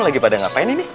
lagi pada ngapain ini